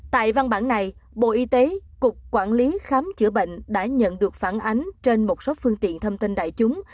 tại văn bản này bộ y tế cục quản lý khám chữa bệnh đã nhận được phản ánh trên một số phương tiện thông tin đại chúng